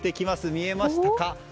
見えましたか？